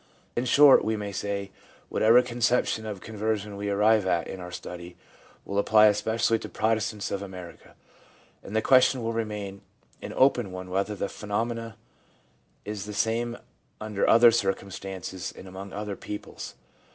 In short, we may say, whatever conception of conversion we arrive at in our study will apply especially to Protestants of America, and the question will remain an open one whether the phenomenon is the same under other circumstances and among other peoples.